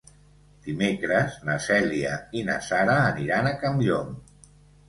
Dimecres na Cèlia i na Sara aniran a Campllong.